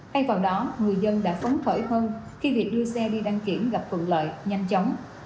thay vào đó người dân đã phấn khởi hơn khi việc đưa xe đi đăng kiểm gặp thuận lợi nhanh chóng